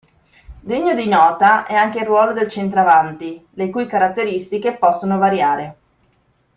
Degno di nota è anche il ruolo del centravanti, le cui caratteristiche possono variare.